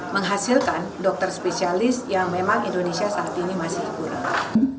menghasilkan dokter spesialis yang memang indonesia saat ini masih ibu retak